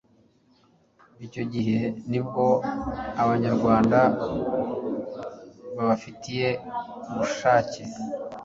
Icyo gihe nibwo Abanyarwanda babifitiye ubushake